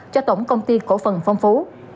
cho tổng công ty cổ phần phong phú